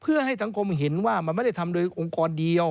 เพื่อให้สังคมเห็นว่ามันไม่ได้ทำโดยองค์กรเดียว